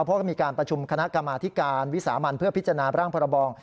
เพราะก็มีการประชุมคณะกรรมาธิการวิสามันเพื่อพิจารณาร่างพรบอง